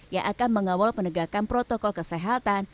yang akan mengawal penegakan protokol kesehatan